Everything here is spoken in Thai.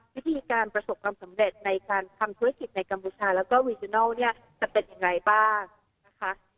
วิธีการประสบความสำเร็จในการทำธุรกิจในกัมพูชาแล้วก็วีจินัลเนี่ยจะเป็นอย่างไรบ้างนะคะ